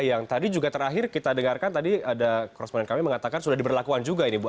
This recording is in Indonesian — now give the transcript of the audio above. yang tadi juga terakhir kita dengarkan tadi ada koresponden kami mengatakan sudah diberlakuan juga ini bu